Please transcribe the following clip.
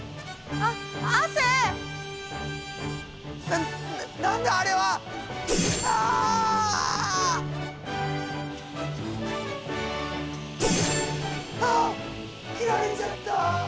あっ切られちゃった。